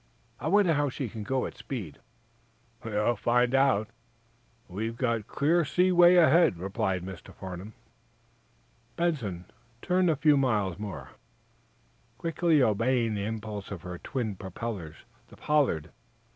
"I wonder how she can go at speed?" "We'll find out, now we've got clear seaway ahead," replied Mr. Farnum. "Benson, turn on a few miles more." Quickly obeying the impulse of her twin propellers, the "Pollard."